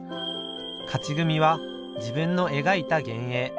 勝ち組は自分の描いた幻影。